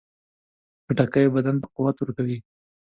خټکی بدن ته قوت ورکوي.